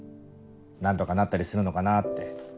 何とかなったりするのかなって。